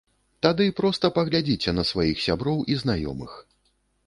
Тады проста паглядзіце на сваіх сяброў і знаёмых.